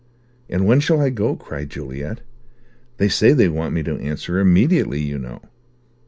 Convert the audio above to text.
"And when shall I go?" cried Juliet. "They say they want me to answer immediately, you know."